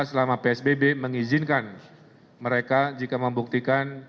selama psbb mengizinkan mereka jika membuktikan